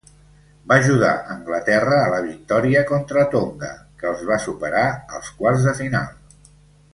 Va ajudar Anglaterra a la victòria contra Tonga, que els va superar als quarts de final.